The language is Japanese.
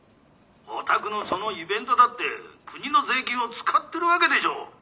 「お宅のそのイベントだって国の税金を使ってるわけでしょう？」。